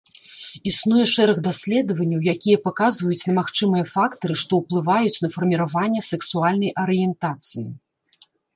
Існуе шэраг даследванняў, якія паказваюць на магчымыя фактары, што ўплываюць на фарміраванне сексуальнай арыентацыі.